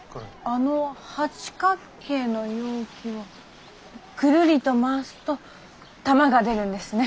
あの八角形の容器をくるりと回すと玉が出るんですね。